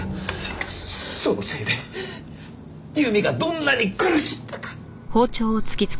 そのせいで由美がどんなに苦しんだか。